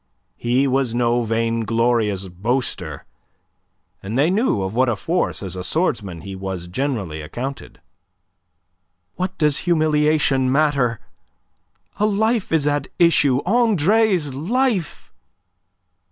He was no vainglorious boaster, and they knew of what a force as a swordsman he was generally accounted. "What does humiliation matter? A life is at issue Andre's life."